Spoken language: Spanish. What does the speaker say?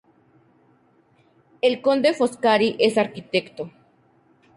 El conde Foscari es arquitecto.